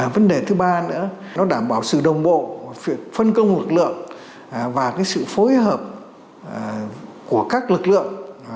vấn đề thứ ba nữa là nó đảm bảo sự đồng bộ phân công lực lượng và sự phối hợp của các lực lượng